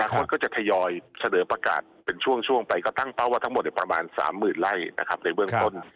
คนก็จะทยอยเสนอประกาศเป็นช่วงไปก็ตั้งเป้าว่าทั้งหมดประมาณ๓๐๐๐ไร่นะครับในเบื้องต้น